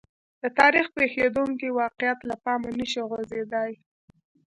د تاریخ پېښېدونکي واقعات له پامه نه شي غورځېدای.